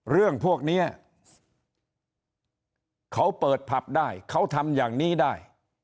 เรื่องพวกนี้เขาเปิดผับได้เขาทำอย่างนี้ได้